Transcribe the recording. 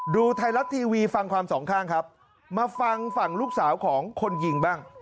ดูไทยรัฐทีวีฟังความสองข้างครับมาฟังฝั่งลูกสาวของคนยิงบ้าง